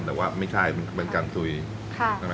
แต่ว่าไม่ใช่เป็นการซุวี